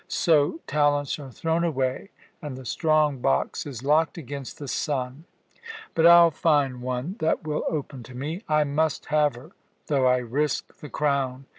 So talents are thrown away, and the strong box is locked against the son. But I'll find one that will open to me. I must have her, though I risk the crown.